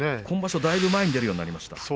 今場所はだいぶ前に出るようになりました。